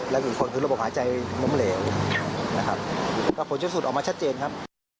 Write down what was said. และอีกคนคือระบบหาใจม้มเหลวนะครับ